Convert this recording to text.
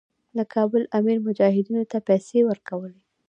د کابل امیر مجاهدینو ته پیسې ورکولې.